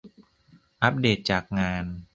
อัปเดตจากงาน